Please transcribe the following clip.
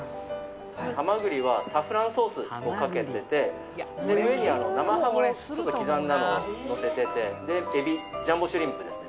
蛤はサフランソースをかけてて上に生ハムを刻んだのをのせててえびジャンボシュリンプですね